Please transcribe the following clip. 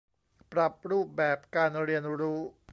ปรับรูปแบบการเรียนรู้